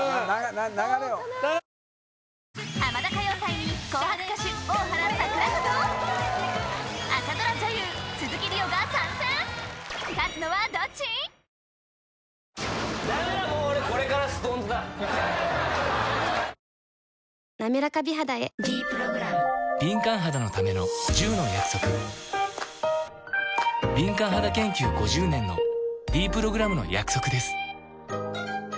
流れをなめらか美肌へ「ｄプログラム」敏感肌研究５０年のｄプログラムの約束です